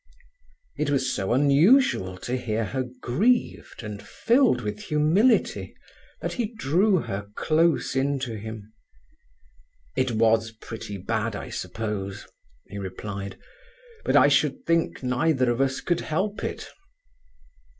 It was so unusual to hear her grieved and filled with humility that he drew her close into him. "It was pretty bad, I suppose," he replied. "But I should think neither of us could help it."